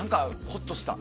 ほっとした。